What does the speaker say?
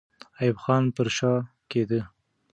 ایوب خان پر شا کېده.